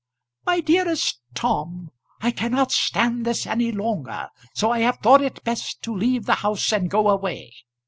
MY DEAREST TOM, I cannot stand this any longer, so I have thought it best to leave the house and go away.